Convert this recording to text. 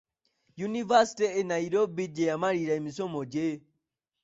Yunivaasite e Nairobi gye yamalira emisomo gye.